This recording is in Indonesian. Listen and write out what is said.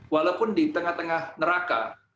walaupun di tengah tengah neraka